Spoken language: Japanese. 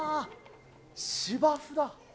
芝生だ。